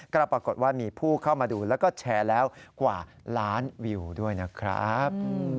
ก็ปรากฏว่ามีผู้เข้ามาดูแล้วก็แชร์แล้วกว่าล้านวิวด้วยนะครับ